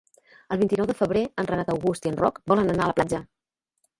El vint-i-nou de febrer en Renat August i en Roc volen anar a la platja.